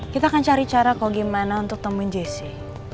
kita akan cari cara kok gimana untuk temuin jessy